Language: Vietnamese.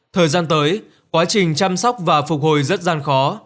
thời gian tới quá trình chăm sóc và phục hồi rất gian khó